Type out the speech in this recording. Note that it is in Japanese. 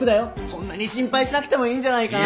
そんなに心配しなくてもいいんじゃないかな。